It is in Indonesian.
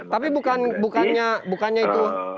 tapi bukannya itu